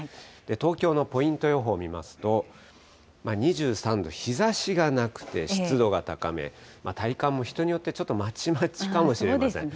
東京のポイント予報を見ますと、２３度、日ざしがなくて、湿度が高め、体感も人によってちょっとまちまちかもしれません。